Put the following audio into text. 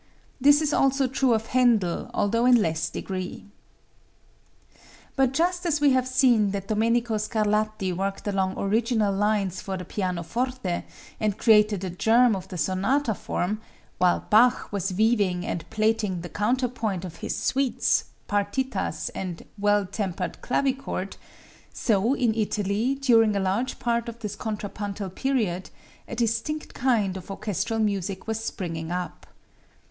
This also is true of Händel, although in less degree. But just as we have seen that Domenico Scarlatti worked along original lines for the pianoforte and created the germ of the sonata form, while Bach was weaving and plaiting the counterpoint of his suites, partitas and "Well Tempered Clavichord," so in Italy, during a large part of this contrapuntal period, a distinct kind of orchestral music was springing up.